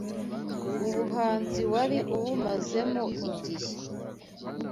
ubuhanzi wari ubumazemo igihe